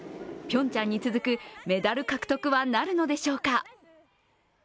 ピョンチャンに続くメダル獲得はなるのでしょうか。